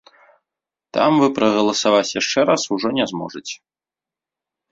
Там вы прагаласаваць яшчэ раз ужо не зможаце.